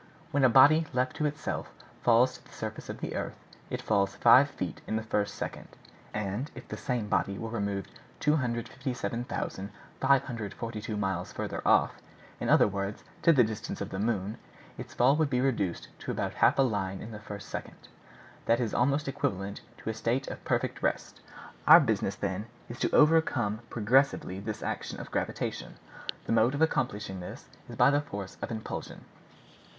When a body left to itself falls to the surface of the earth, it falls five feet in the first second; and if the same body were removed 257,542 miles further off, in other words, to the distance of the moon, its fall would be reduced to about half a line in the first second. That is almost equivalent to a state of perfect rest. Our business, then, is to overcome progressively this action of gravitation. The mode of accomplishing that is by the force of impulsion."